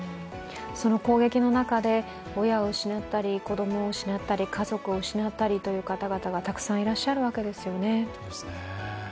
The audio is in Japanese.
その攻撃の中で、親を失ったり子供を失ったり家族を失ったりという方々がたくさんいらっしゃるわけですよね。